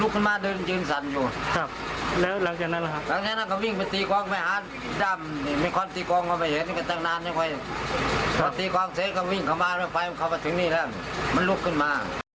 ข้างบ้านไฟเข้ามาถึงนี่แล้วมันลุกขึ้นมา